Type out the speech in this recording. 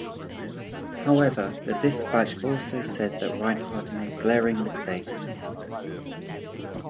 However, the Dispatch also said that Rinehart made glaring mistakes.